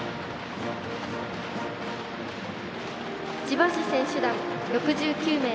千葉市選手団、６９名。